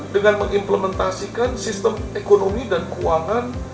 dengan mengimplementasikan sistem ekonomi dan keuangan